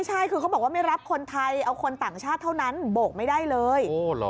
ใช่คือเขาบอกว่าไม่รับคนไทยเอาคนต่างชาติเท่านั้นโบกไม่ได้เลย